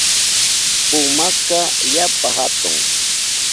Pumaka yapa hatun.